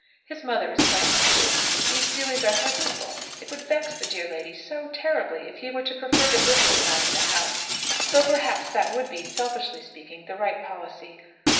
His mother is so anxious; these Seeleys are her people. It would vex the dear old lady so terribly, if he were to prefer the Bristol side of the house! Though, perhaps, that would be, selfishly speaking, the right policy.